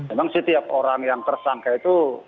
memang setiap orang yang tersangka itu